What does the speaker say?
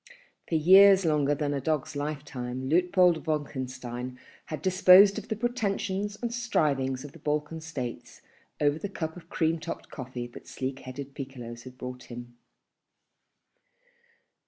For years longer than a dog's lifetime Luitpold Wolkenstein had disposed of the pretensions and strivings of the Balkan States over the cup of cream topped coffee that sleek headed piccolos had brought him.